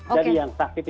jadi yang sakit itu